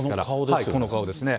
はい、この顔ですね。